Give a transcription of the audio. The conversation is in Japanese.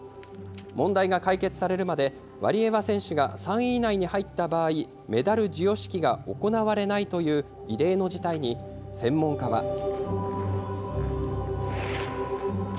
問題が解決されるまで、ワリエワ選手が、３位以内に入った場合、メダル授与式が行われないという、異例の事態に、専門家は。